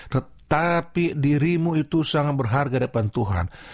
tetapi dirimu itu sangat berharga depan tuhan